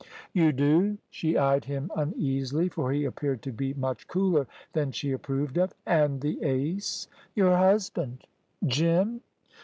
"You do?" She eyed him uneasily, for he appeared to be much cooler than she approved of. "And the ace?" "Your husband." "Jim!"